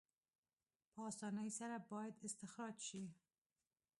په اسانۍ سره باید استخراج شي.